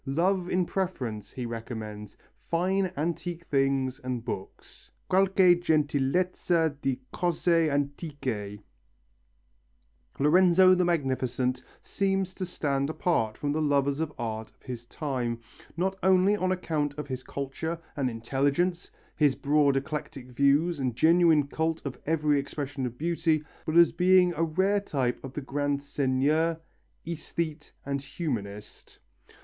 "Love in preference," he recommends, "fine antique things and books" qualche gentilezza di cose antiche. Lorenzo the Magnificent seems to stand apart from the lovers of art of his time not only on account of his culture and intelligence, his broad eclectic views and genuine cult of every expression of beauty, but as being a rare type of the grand seigneur, æsthete and humanist.